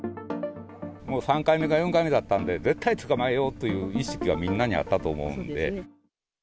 もう３回目か４回目だったんで、絶対捕まえようという意識はみんなにあったと思うんで。